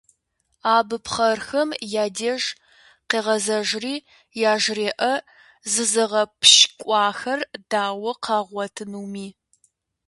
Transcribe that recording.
Абы пхъэрхэм я деж къегъэзэжри яжреӀэ зызыгъэпщкӀуахэр дауэ къагъуэтынуми.